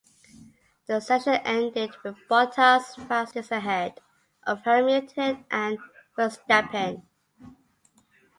The session ended with Bottas fastest ahead of Hamilton and Verstappen.